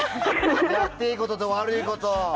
やっていいことと悪いこと。